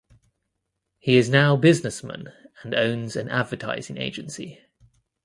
He is now businessman and owns an advertising agency.